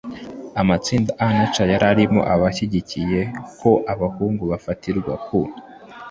Amatsinda A na C yari arimo abashyigikiye ko abahungu bafatirwa ku